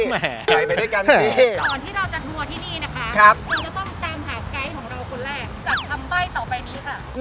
ตอนที่เราจะทัวร์ที่นี่นะคะคุณจะต้องแจ้งหากไกด์ของเราคุณแรกจากคำใบ้ต่อไปนี้ค่ะ